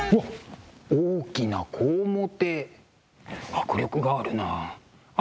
迫力があるなあ。